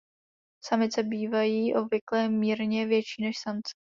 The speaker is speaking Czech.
Samice bývají obvykle mírně větší než samci.